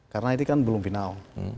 karena ini kan belum final